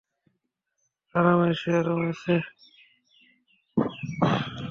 আরামসে, আরামসে।